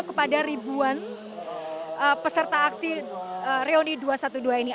kepada ribuan peserta aksi reuni dua ratus dua belas ini